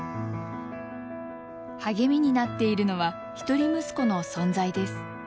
励みになっているのは一人息子の存在です。